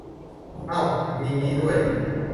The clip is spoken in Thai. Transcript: เอ้า มีงี้ด้วย